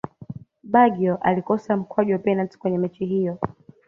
baggio alikosa mkwaju wa penati kwenye mechi hiyo